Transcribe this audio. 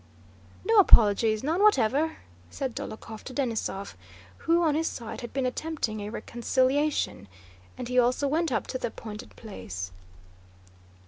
"No apologies, none whatever," said Dólokhov to Denísov (who on his side had been attempting a reconciliation), and he also went up to the appointed place.